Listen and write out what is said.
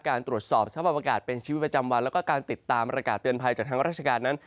ตรวจสอบสภาพอากาศเป็นชีวิตประจำวันแล้วก็การติดตามประกาศเตือนภัยจากทางราชการนั้น